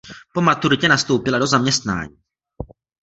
Po maturitě nastoupila do zaměstnání.